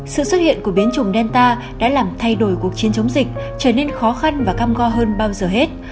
sự xuất hiện của biến chủng delta đã làm thay đổi cuộc chiến chống dịch trở nên khó khăn và cam go hơn bao giờ hết